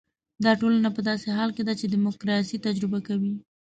دا ټولنه په داسې حال کې ده چې ډیموکراسي تجربه کوي.